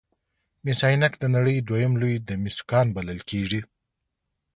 مس عینک د نړۍ دویم لوی د مسو کان بلل کیږي.